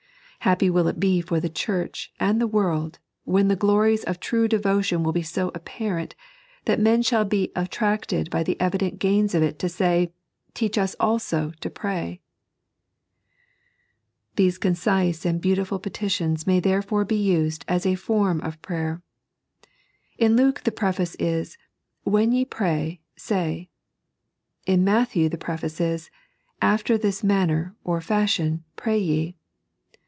Happy will it be for the Church and the world, when the glories of true devotion will be so apparent, that men shall be attracted by the evident gains of it to say :" Teach us also to pray "! These concise and beautiful petitions may therefore be used as a form of prayer. In Luke the preface is, " When ye pray, say." In Matthew the preface is, " After this manner, or fashion, pray ye."